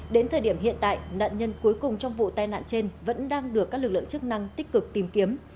đến thời điểm hiện tại nạn nhân cuối cùng trong vụ tai nạn trên vẫn đang được các lực lượng chức năng tích cực tìm kiếm